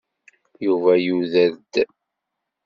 Yuba yuder-d.